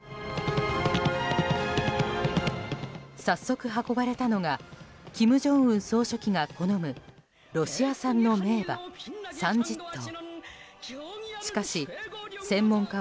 早速、運ばれたのが金正恩総書記が好むロシア産の名馬３０頭。